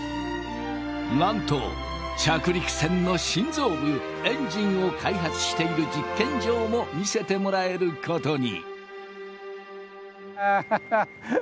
なんと着陸船の心臓部エンジンを開発している実験場も見せてもらえることに。